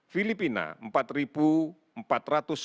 filipina empat empat ratus sembilan belas tes per satu juta penduduk